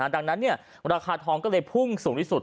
ดังนั้นราคาทองก็เลยพุ่งสูงที่สุด